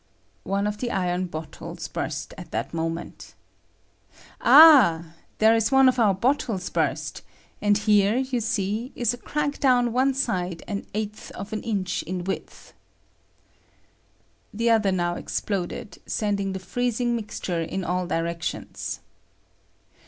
[One of the iron Taottles burst at that moment.] Ah ! There is One of our bottles burst, and here, you see, is a Oracle down one side an eighth of an inch in width. [The other now exploded, sending the freezing mixture in all directions.